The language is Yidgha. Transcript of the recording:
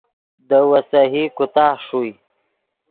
دے ویسہی کوتاہ ݰوئے